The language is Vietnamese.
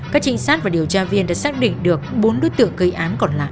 các trinh sát và điều tra viên đã xác định được bốn đối tượng gây án còn lại